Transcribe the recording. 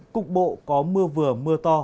cục bộ có mưa vừa mưa to